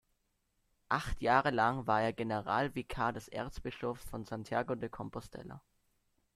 Acht Jahre lang war er Generalvikar des Erzbischofs von Santiago de Compostela.